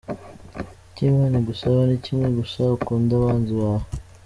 Icy'Imana igusaba n'ikimwe gusa ukunde abanzi bawe.